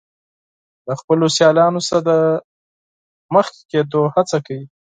د خپلو سیالانو څخه د مخکې کیدو هڅه کوي.